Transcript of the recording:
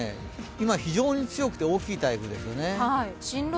今非常に強くて大きい台風ですよね。